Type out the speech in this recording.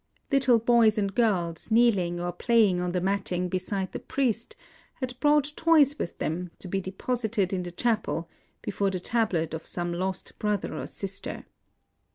Little boys and girls, kneel ing or playing on the matting beside the priest, had brought toys with them, to be deposited in the chapel, before the tablet of some lost brother or sister.